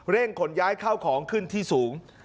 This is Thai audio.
ขนย้ายเข้าของขึ้นที่สูง